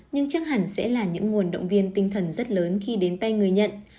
nhưng chắc hẳn sẽ là những nguồn động viên tinh thần rất lớn khi đến tay người nhận